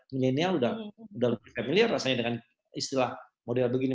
millenial udah lebih familiar rasanya dengan istilah model begini